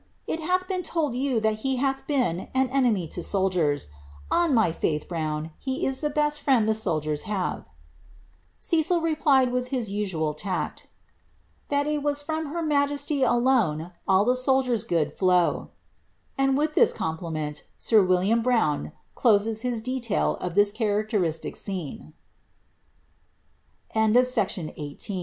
It hath been told you tie hath been an enemy to soldiers. On my faith, Brown, he is the Griend the soldiers have." Cecil replied with his usual tact, ^ that a from her majesty alone all the soldiers' good flowed ;" and with ximpliment, sir William Brown closes his detail of this characteria* me* le same month qneen Elizabeth, understanding tha